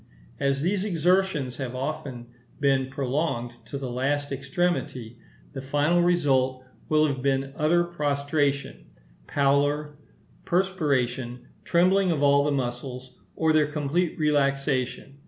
As these exertions have often been prolonged to the last extremity, the final result will have been utter prostration, pallor, perspiration, trembling of all the muscles, or their complete relaxation.